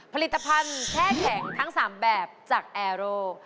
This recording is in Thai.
ผลิตภัณฑ์แช่แข็งทั้ง๓แบบจากแอร์โร